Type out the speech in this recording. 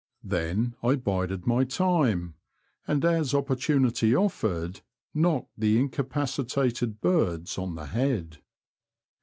Then I bided my time, and as opportunity offered, knocked the incapacitated birds on the head.